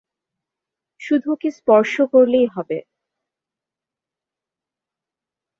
শুধু ওকে স্পর্শ করলেই হবে।